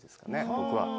僕は。